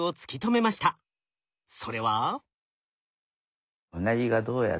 それは？